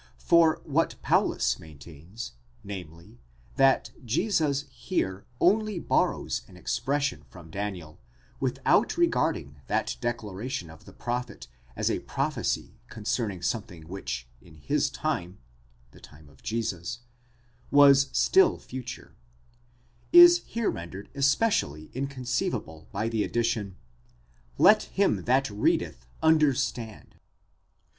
For what Paulus maintains,—namely, that Jesus here only borrows an expression from Daniel, without regarding that declaration of the prophet as a prophecy concerning something which in his time (the time of Jesus) was still future— is here rendered especially inconceivable by the addition : ἐφ him that readeth understand.